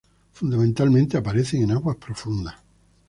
Fundamentalmente aparecen en aguas profundas.